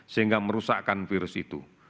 sehingga merusakkan virus itu